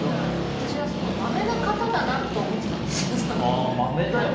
私はまめな方だなと思ってたんです。